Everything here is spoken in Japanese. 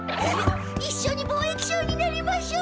いっしょに貿易商になりましょう！